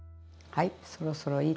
はい。